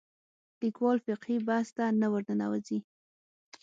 لیکوال فقهي بحث ته نه ورننوځي